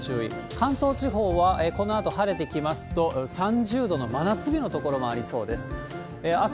関東地方はこのあと晴れてきますと、３０度の真夏日の所もありそうです。